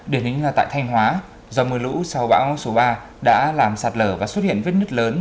điển hình là tại thanh hóa do mưa lũ sau bão số ba đã làm sạt lở và xuất hiện vết nứt lớn